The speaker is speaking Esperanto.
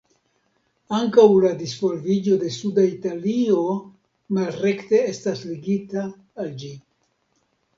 Ankaŭ la disvolviĝo de suda Italio malrekte estas ligita al ĝi.